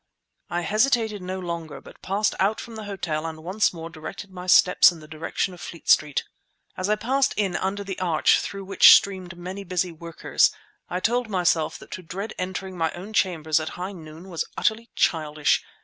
I hesitated no longer, but passed out from the hotel and once more directed my steps in the direction of Fleet Street. As I passed in under the arch through which streamed many busy workers, I told myself that to dread entering my own chambers at high noon was utterly childish.